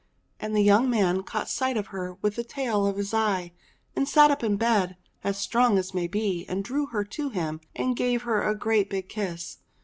And the young man caught sight of her with the tail of his eye, and sate up in bed as strong as may be, and drew her to him and gave her a great big kiss.